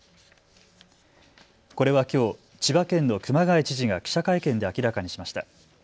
これはきょう千葉県の熊谷知事が記者会見で明らかにしました。